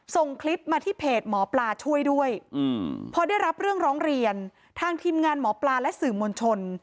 ส่งคลิปมาที่เพจหมอปลาช่วยด้วยพอได้รับเรื่องร้องเรียนทางทีมงานหมอปลาและสื่อมวลชน